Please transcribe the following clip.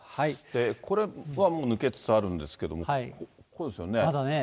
これはもう抜けつつあるんですけども、ここですよね。